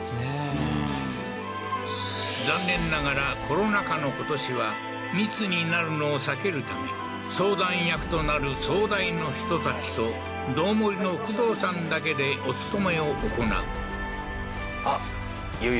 うん残念ながらコロナ禍の今年は密になるのを避けるため相談役となる総代の人たちと堂守の工藤さんだけでお勤めを行う